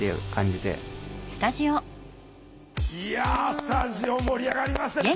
いやスタジオ盛り上がりましたね。